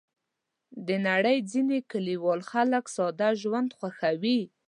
د نړۍ ځینې کلیوال خلک ساده ژوند خوښوي.